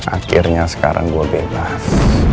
akhirnya sekarang gue bebas